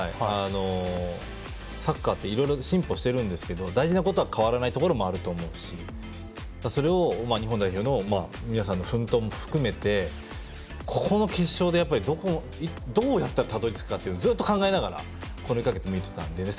サッカーっていろいろ進歩しているんですが大事なことは変わらないところがあると思いますしそれを日本代表の皆さんの奮闘も含めてここの決勝にどうやったらたどり着くかをずっと考えながら見ていたので。